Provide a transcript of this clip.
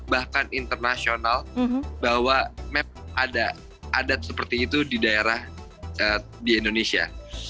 bahkan internasional bahwa map ada adat seperti itu di daerah di indonesia